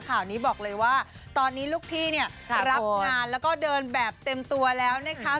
ข่าวนี้บอกเลยว่าตอนนี้ลูกพี่เนี่ยรับงานแล้วก็เดินแบบเต็มตัวแล้วนะคะ